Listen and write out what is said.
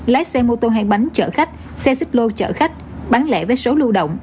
lái xe mô tô hàng bánh chở khách xe xích lô chở khách bán lẻ với số lưu động